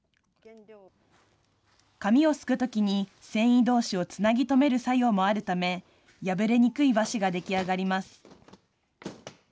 紙をすくときに、繊維どうしをつなぎとめる作用もあるため、破れにくい和紙が出来上がります。